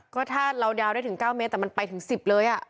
ก็ถ้าเราดาวได้ถึง๙เมตรแต่มันไปถึง๑๐เลย